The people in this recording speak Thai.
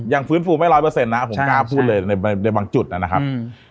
ฟื้นฟูไม่ร้อยเปอร์เซ็นนะผมกล้าพูดเลยในบางจุดนะครับ